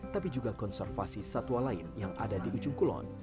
tapi juga konservasi satwa lain yang ada di ujung kulon